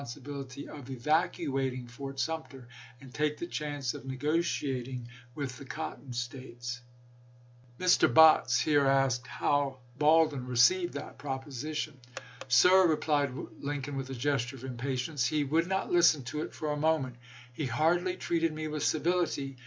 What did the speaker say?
sibility of evacuating Fort Sumter, and take the chance of negotiating with the Cotton States. Mr. Botts here asked how Baldwin received that proposition. Sir (replied Lincoln, with a gesture of impatience), he would not listen to it for a moment; he hardly treated me with civility.